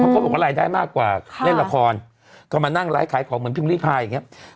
เค้าโพธิไปดัง๐๔มากกว่าเล่นละครก็มานั่งไลฟ์ขายของเหมือนพิมพ์รีพายอย่างเงี้ย